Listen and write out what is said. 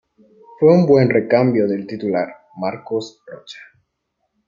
Fue un buen recambio del titular Marcos Rocha.